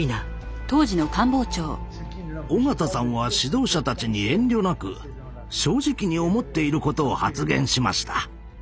緒方さんは指導者たちに遠慮なく正直に思っていることを発言しました。